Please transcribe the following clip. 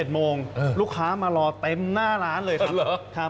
โมงลูกค้ามารอเต็มหน้าร้านเลยครับ